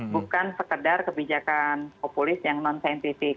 bukan sekedar kebijakan populis yang non saintifik